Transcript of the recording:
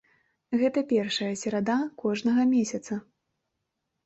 Гэта першая серада кожнага месяца.